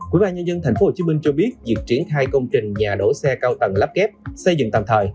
ủy ban nhân dân tp hcm cho biết việc triển khai công trình nhà đổ xe cao tầng lắp ghép xây dựng tạm thời